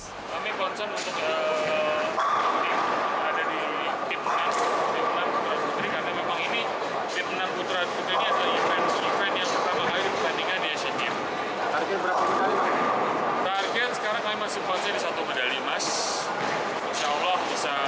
tim menang putra putri karena memang ini tim menang putra putri ini adalah event event yang pertama kali berbandingnya di asian games